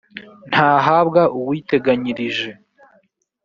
ntahabwa uwiteganyirije